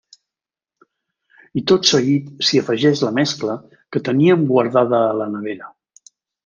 I tot seguit s'hi afegeix la mescla que teníem guardada a la nevera.